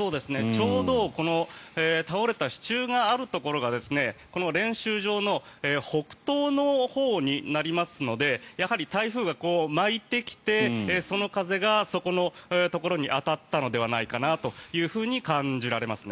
ちょうど倒れた支柱があるところが練習場の北東のほうになりますのでやはり台風が巻いてきてその風がそこのところに当たったのではないかなと感じられます。